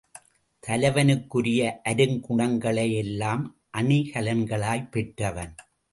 தலைவனுக்குரிய அருங்குணங்களையெல்லாம் அணிகலன்களாய் பெற்றவன்.